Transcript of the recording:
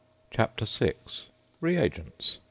CHAPTER VI. RE AGENTS.